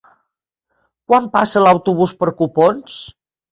Quan passa l'autobús per Copons?